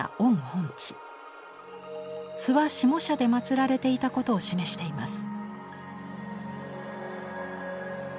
諏訪下社で祀られていたことを示しています。